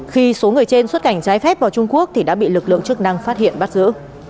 khi số người trên xuất cảnh trái phép vào trung quốc thì đã bị lực lượng chức năng phát hiện bắt giữ